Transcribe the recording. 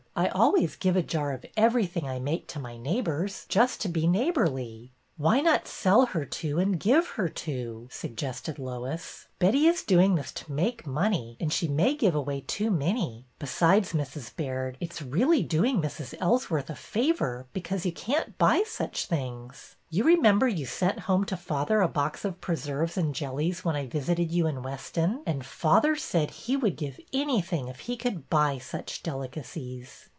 I always give a jar of everything I make to my neighbors, just to be neighborly." '' Why not sell her two and give her two ?" suggested Lois. Betty is doing this to make money and she may give away too many. Be sides, Mrs. Baird, it 's really doing Mrs. Ells worth a favor, because you can't buy such things. You remember you sent home to father a box of preserves and jellies when I visited you in Weston, and father said he would give anything if he could buy such delicacies."